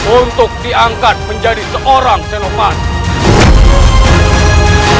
untuk diangkat menjadi seorang sinovac